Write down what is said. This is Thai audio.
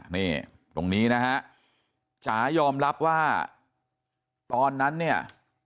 นี่ตรงนี้นะฮะจ๋ายอมรับว่าตอนนั้นเนี่ย